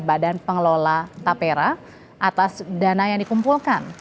badan pengelola tapera atas dana yang dikumpulkan